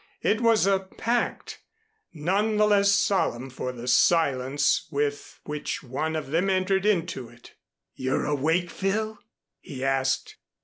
It was a pact, none the less solemn for the silence with which one of them entered into it. "You're awake, Phil?" he asked.